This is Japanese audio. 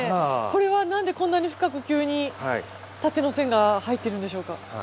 これは何でこんなに深く急に縦の線が入っているんでしょうか？